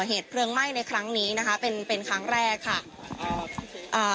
เหตุเพลิงไหม้ในครั้งนี้นะคะเป็นเป็นครั้งแรกค่ะอ่าอ่า